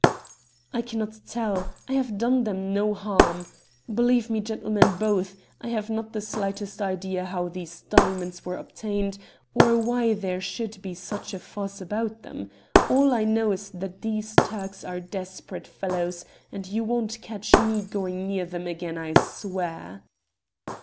"I cannot tell. I have done them no harm. Believe me, gentlemen both, I have not the slightest idea how these diamonds were obtained, or why there should be such a fuss about them. All I know is that these Turks are desperate fellows, and you won't catch me going near them again, I swear."